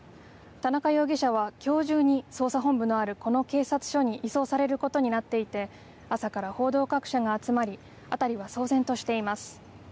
田中容疑者はきょう中に捜査本部のあるこの警察署に移送されることになっていて朝から報道各社が集まり辺りは騒然としています。